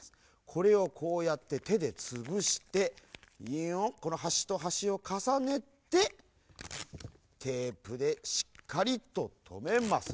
これをこうやっててでつぶしてこのはしとはしをかさねてテープでしっかりととめます。